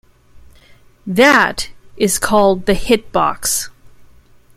That is called the Hit Box.